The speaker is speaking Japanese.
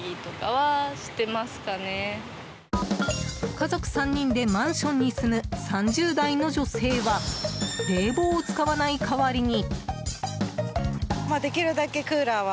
家族３人でマンションに住む３０代の女性は冷房を使わない代わりに。